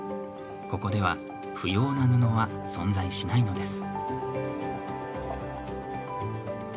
ここでは不要な布は存在しないのです。